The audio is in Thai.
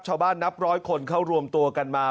ชาวบ้านนับร้อยคนเขารวมตัวกันมา